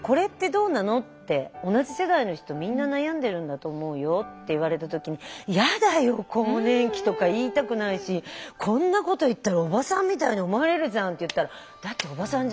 「同じ世代の人みんな悩んでるんだと思うよ」って言われた時に「嫌だよ！更年期とか言いたくないしこんなこと言ったらおばさんみたいに思われるじゃん」って言ったら「だっておばさんじゃん」